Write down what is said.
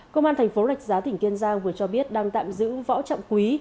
công an thành phố rạch giá tỉnh kiên giang vừa cho biết đang tạm giữ võ trọng quý